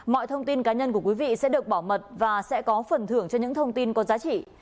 mọi thông tin cá nhân của quý vị sẽ được bảo mật và sẽ có phần thưởng cho những thông tin có giá trị